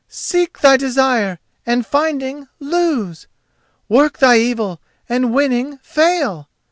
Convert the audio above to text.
Seek thy desire, and finding, lose! Work thy evil, and winning, fail!